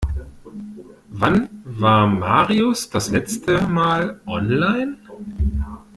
Wann war Marius das letzte Mal online?